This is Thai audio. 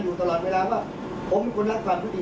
เขาชอบกล่าวหาผมก็กล่าวหาค่ะ